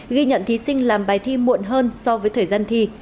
ghi nhận thí sinh làm bài thi muộn hơn so với thời gian thi